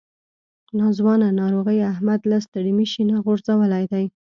ناځوانه ناروغۍ احمد له ستړي مشي نه غورځولی دی.